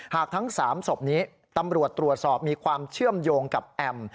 ทั้ง๓ศพนี้ตำรวจตรวจสอบมีความเชื่อมโยงกับแอม